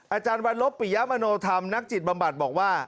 อาจารย์วันลบปิยะมโนธรรมนักจิตบำบัดบอกว่า